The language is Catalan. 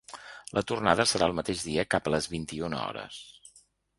La tornada serà el mateix dia cap a les vint-i-una hores.